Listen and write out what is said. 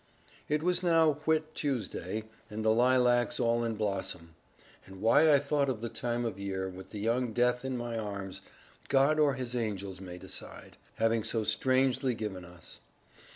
It was now Whit Tuesday, and the lilacs all in blossom; and why I thought of the time of year, with the young death in my arms, God or his angels may decide, having so strangely given us.